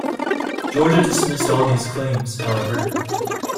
Georgia dismissed all these claims, however.